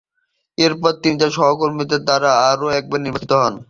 এরপর তিনি তার সহকর্মীদের দ্বারা আরও একবার মেয়র নির্বাচিত হন।